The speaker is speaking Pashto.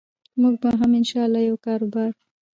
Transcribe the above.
موږ به هم إن شاء الله یو کاربار